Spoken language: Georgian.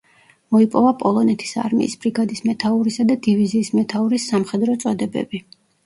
მოიპოვა პოლონეთის არმიის ბრიგადის მეთაურისა და დივიზიის მეთაურის სამხედრო წოდებები.